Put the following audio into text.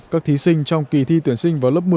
các thí sinh trong kỳ thi tuyển sinh vào lớp chín